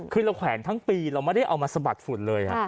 คือเราแขวนทั้งปีเราไม่ได้เอามาสะบัดฝุ่นเลย